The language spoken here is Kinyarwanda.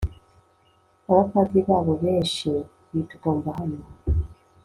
Abapadiri babo benshi bitotomba hano